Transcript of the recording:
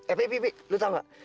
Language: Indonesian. eh pi pi pi lu tau nggak